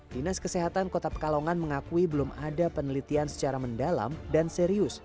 dinas kesehatan kota pekalongan mengakui belum ada penelitian secara mendalam dan serius